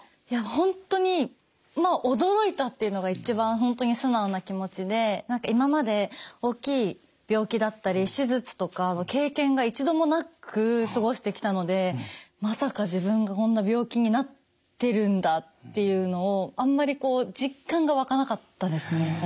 いや本当にまあ驚いたっていうのが一番本当に素直な気持ちで何か今まで大きい病気だったり手術とかは経験が一度もなく過ごしてきたのでまさか自分がこんな病気になってるんだっていうのをあんまりこう実感が湧かなかったですね